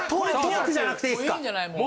いいんじゃない？